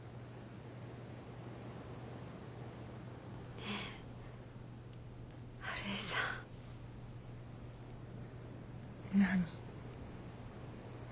ねえ春江さん。何？